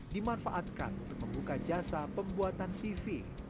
dimanfaatkan untuk membuka jasa pembuatan cv